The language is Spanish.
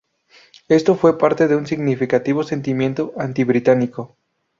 Esto fue parte de un significativo sentimiento anti-británico.